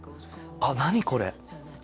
あっ何これ？